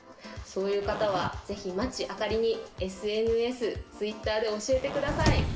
そういう方はぜひ町あかりにＳＮＳＴｗｉｔｔｅｒで教えてください